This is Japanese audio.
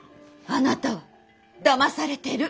あなたはだまされてる。